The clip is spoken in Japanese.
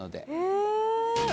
へえ